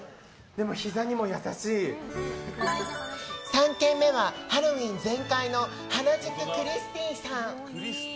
３軒目はハロウィーン全開の原宿クリスティーさん。